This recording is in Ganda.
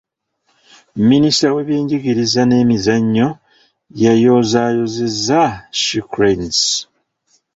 Minisita w'ebyenjigiriza n'emizannyo yayozaayozezza She cranes.